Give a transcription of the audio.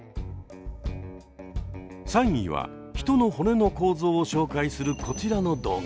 ３位は人の骨の構造を紹介するこちらの動画。